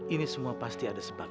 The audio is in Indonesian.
ini semua pasti ada semangat